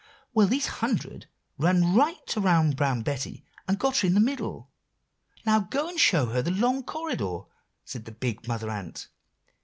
Well, these hundred ran right around Brown Betty, and got her in the middle. "'Now, go and show her the long corridor,' said the big Mother Ant."